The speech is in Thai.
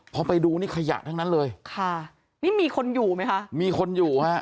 พอไปดูนี่ขยะทั้งนั้นเลยค่ะนี่มีคนอยู่ไหมคะมีคนอยู่ฮะ